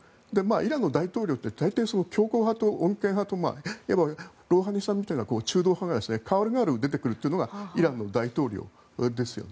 イランの大統領って強硬派と穏健派といわばロウハニさんみたいな中道派が代わる代わる出てくるというのがイランの大統領ですよね。